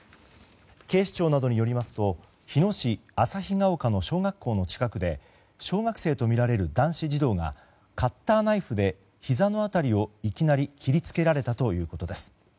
警視庁などによりますと日野市旭が丘の小学校の近くで小学生とみられる男子児童がカッターナイフでひざの辺りをいきなり切りつけられたということです。